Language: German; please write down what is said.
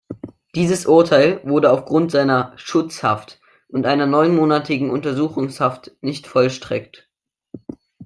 Dieses Urteil wurde aufgrund seiner „Schutzhaft“ und einer neunmonatigen Untersuchungshaft nicht vollstreckt.